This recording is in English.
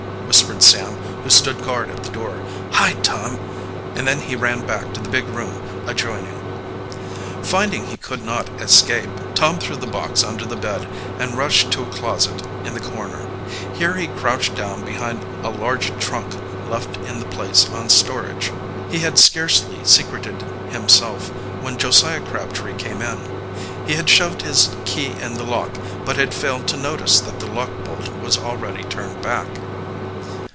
whispered Sam, who stood guard at the door. "Hide, Tom," and then he ran back to the big room adjoining. Finding he could not escape, Tom threw the box under the bed and rushed to a closet in the corner. Here he crouched down behind a large trunk left in the place on storage. He had scarcely secreted himself when Josiah Crabtree came in. He had shoved his key in the lock, but had failed to notice that the lock bolt was already turned back.